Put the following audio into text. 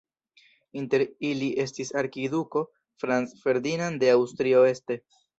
Inter ili estis arkiduko Franz Ferdinand de Aŭstrio-Este.